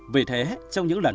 vì thế trong những lần